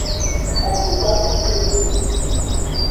Advocat de cuina.